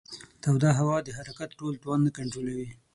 توده هوا د حرکت ټول توان نه کنټرولوي.